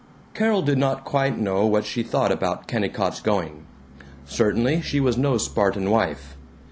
Carol did not quite know what she thought about Kennicott's going. Certainly she was no Spartan wife.